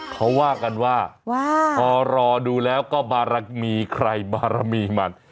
เขาว่ากันว่าพอรอดูแล้วก็บารมีใครบารมีมัน